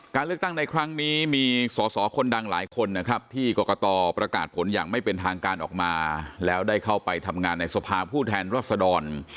การเลือกตั้งในครั้งนี้มีสอสอคนดังหลายคนนะครับที่กรกตประกาศผลอย่างไม่เป็นทางการออกมาแล้วได้เข้าไปทำงานในสภาผู้แทนรัศดร